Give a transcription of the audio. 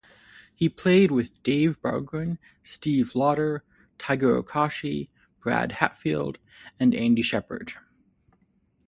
He played with Dave Bargeron, Steve Lodder, Tiger Okoshi, Brad Hatfield, and Andy Sheppard.